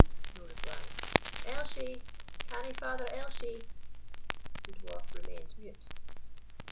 No reply. "Elshie, canny Father Elshie!" The Dwarf remained mute.